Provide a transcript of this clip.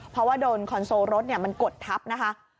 เพราะว่าโดนคอนโซลรถมันกดทับนะคะ